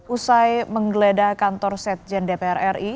usai menggeledah kantor sekjen dpr ri